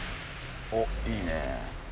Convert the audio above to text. おっいいね。